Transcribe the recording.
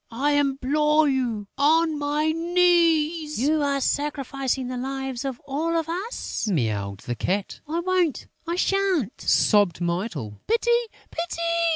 I implore you on my knees!" "You are sacrificing the lives of all of us," mewed the Cat. "I won't! I sha'n't!" sobbed Mytyl. "Pity! Pity!"